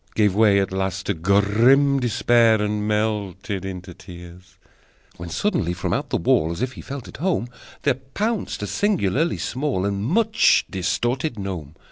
Gave way at last to grim despair, And melted into tears: When suddenly, from out the wall, As if he felt at home, There pounced a singularly small And much distorted gnome.